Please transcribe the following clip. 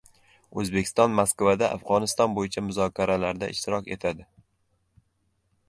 O‘zbekiston Moskvada Afg‘oniston bo‘yicha muzokaralarda ishtirok etadi